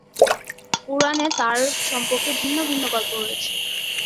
পুরাণে তার সম্পর্কে ভিন্ন ভিন্ন গল্প রয়েছে।